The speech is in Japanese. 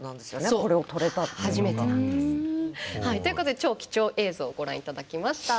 これを撮れたっていうのが。ということで超貴重映像をご覧いただきました。